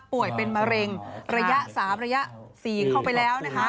เป็นมะเร็งระยะ๓ระยะ๔เข้าไปแล้วนะคะ